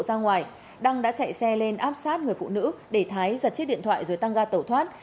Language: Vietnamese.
nặng đăng đã chạy xe lên áp sát người phụ nữ để thái giật chiếc điện thoại rồi tăng ra tẩu thoát